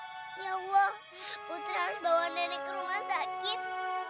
ya allah putra harus bawa nenek ke rumah sakit